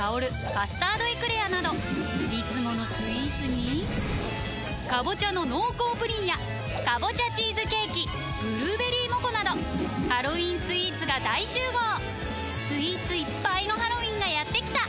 「カスタードエクレア」などいつものスイーツに「かぼちゃの濃厚プリン」や「かぼちゃチーズケーキ」「ぶるーべりーもこ」などハロウィンスイーツが大集合スイーツいっぱいのハロウィンがやってきた！